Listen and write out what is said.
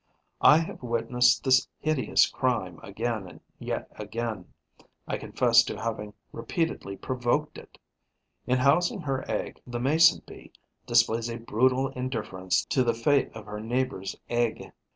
I have witnessed this hideous crime again and yet again; I confess to having repeatedly provoked it. In housing her egg, the Mason bee displays a brutal indifference to the fate of her neighbour's egg.